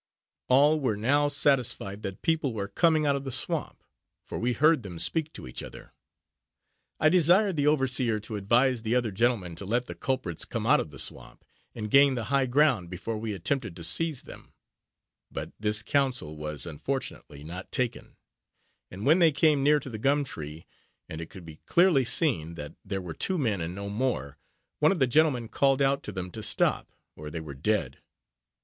All were now satisfied that people were coming out of the swamp, for we heard them speak to each other. I desired the overseer to advise the other gentlemen to let the culprits come out of the swamp, and gain the high ground, before we attempted to seize them; but this counsel was, unfortunately, not taken; and when they came near to the gum tree, and it could be clearly seen that there were two men and no more, one of the gentlemen called out to them to stop, or they were dead.